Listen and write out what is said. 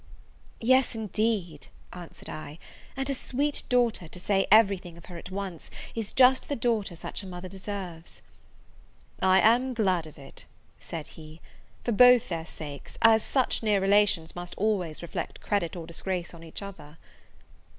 "Yes, indeed," answered I: "and her sweet daughter, to say every thing of her at once, is just the daughter such a mother deserves." "I am glad of it," said he, "for both their sakes, as such near relations must always reflect credit or disgrace on each other."